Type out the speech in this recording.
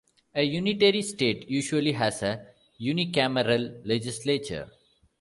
A unitary state usually has a unicameral legislature.